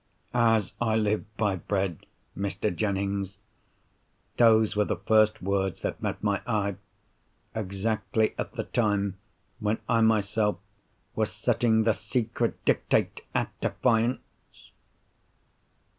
As I live by bread, Mr. Jennings, those were the first words that met my eye, exactly at the time when I myself was setting the secret Dictate at defiance!